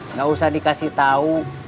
nggak usah dikasih tau